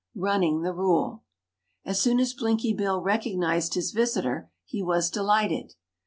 RUNNING THE RULE As soon as Blinky Bill recognised his visitor, he was delighted.